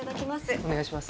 お願いします。